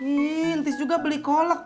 ih entis juga beli kolek pak